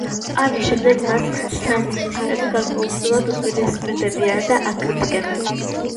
ამის შემდეგ მას სანდინისტები გარკვეულწილად უპირისპირდებიან და აკრიტიკებენ.